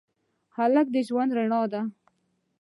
هلک د ژوند رڼا ده.